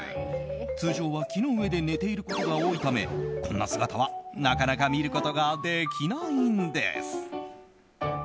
通常は木の上で寝ていることが多いためこんな姿は、なかなか見ることができないんです。